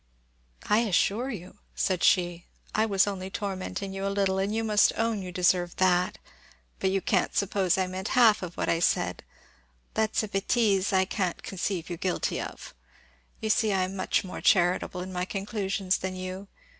"I assure you," said she, "I was only tormenting you a little, and you must own you deserve that; but you can't suppose I meant half what I said; that is a bêtise I can't conceive you guilty of. You see I am much more charitable in my conclusions than you.